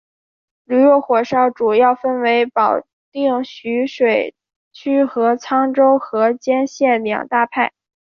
驴肉火烧主要分为保定徐水区和沧州河间县两大派。